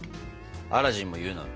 アラジンも言うのよ